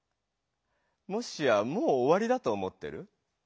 もしやもうおわりだと思ってる？